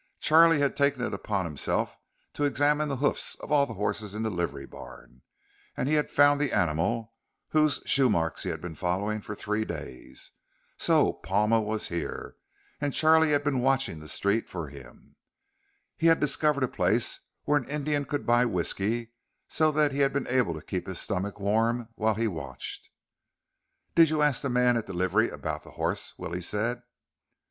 Charlie had taken it upon himself to examine the hoofs of all the horses in the livery barn, and he had found the animal whose shoe marks he had been following for three days. So Palma was here, and Charlie had been watching the street for him. He had discovered a place where an Indian could buy whisky, so he had been able to keep his stomach warm while he watched. "Did you ask the man at the livery about the horse?" Willie said.